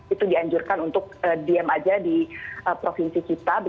itu dianjurkan untuk diem aja di provinsi kita